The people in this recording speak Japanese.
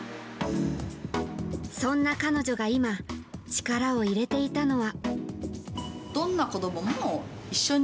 そんな彼女が今力を入れていたのは。